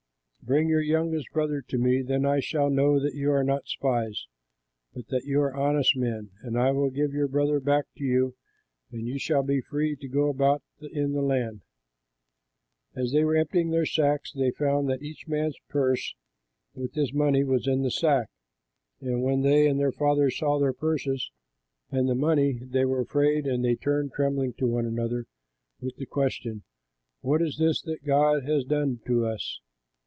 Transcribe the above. Bring your youngest brother to me; then I shall know that you are not spies, but that you are honest men; and I will give your brother back to you and you shall be free to go about in the land.'" As they were emptying their sacks, they found that each man's purse with his money was in his sack; and when they and their father saw their purses and the money, they were afraid and they turned trembling to one another with the question, "What is this that God has done to us?"